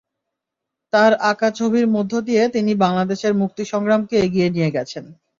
তাঁর আঁকা ছবির মধ্য দিয়ে তিনি বাংলাদেশের মুক্তিসংগ্রামকে এগিয়ে নিয়ে গেছেন।